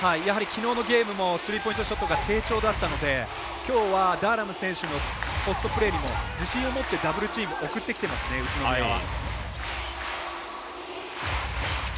きのうのゲームもスリーポイントショットが低調だったのできょうはダーラム選手のポストプレーにも自信を持ってダブルチーム、送ってきてます宇都宮は。